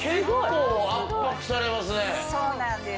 そうなんです。